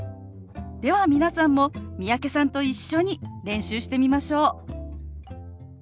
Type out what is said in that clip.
では皆さんも三宅さんと一緒に練習してみましょう！